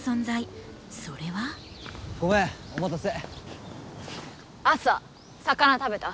ごめんお待たせ。